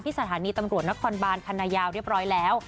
ที่สถานีตำรวจนักควรบาลคณะยาวเรียบร้อยแล้ว